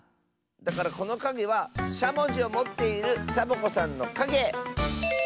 だからこのかげはしゃもじをもっているサボ子さんのかげ！